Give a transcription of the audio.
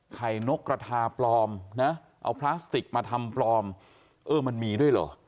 นกกระทาปลอมนะเอาพลาสติกมาทำปลอมเออมันมีด้วยเหรอ